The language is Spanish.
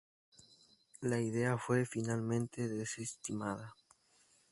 La idea fue finalmente desestimada.